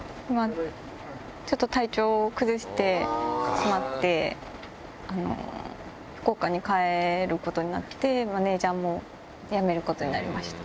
ちょっと体調を崩してしまって、福岡に帰ることになって、マネージャーも辞めることになりました。